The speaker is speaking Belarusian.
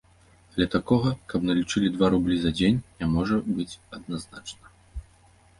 Але такога, каб налічылі два рублі за дзень, не можа быць адназначна.